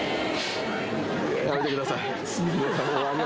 やめてください